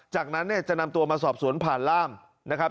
จากนั้นเนี่ยจะนำตัวมาสอบสวนผ่านร่ามนะครับ